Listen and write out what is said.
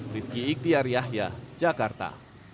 rizky iktiar yahya jakarta